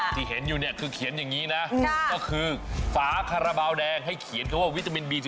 ที่เห็นอยู่เนี่ยคือเขียนอย่างนี้นะก็คือฝาคาราบาลแดงให้เขียนคำว่าวิตามินบีที